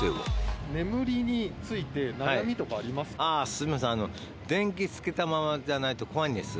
すいません。